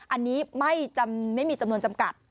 อันนี้ไม่มีจำนวนจำกัด